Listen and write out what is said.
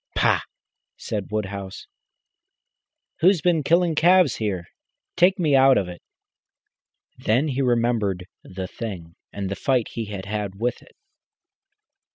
"Pah!" said Woodhouse. "Who's been killing calves here? Take me out of it." Then he remembered the Thing, and the fight he had had with it.